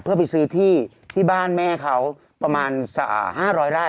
เพื่อไปซื้อที่ที่บ้านแม่เขาประมาณอ่าห้าร้อยร้าย